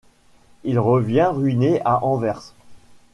Il revient ruiné à Anvers.